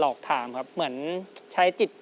เฮ้ยอย่าลืมฟังเพลงผมอาจารย์นะ